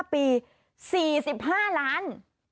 ปี๔๕ล้าน